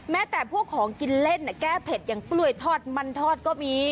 แต่พวกของกินเล่นแก้เผ็ดอย่างกล้วยทอดมันทอดก็มี